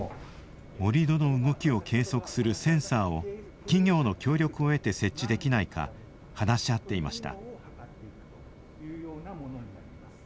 盛土の動きを計測するセンサーを企業の協力を得て設置できないか話し合っていました。